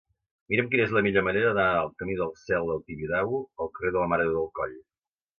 Mira'm quina és la millor manera d'anar del camí del Cel del Tibidabo al carrer de la Mare de Déu del Coll.